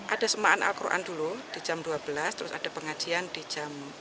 ada semaan al quran dulu di jam dua belas terus ada pengajian di jam empat